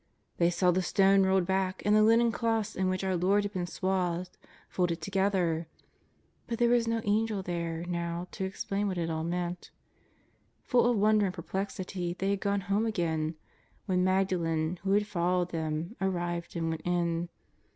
They saw the stone rolled back, and the linen cloths in which our Lord had been swathed folded together, but there was no angel there now to explain what it all meant. Full of wonder and perplexity they had gone home again, when Magdalen, who had followed them, arrived and went in.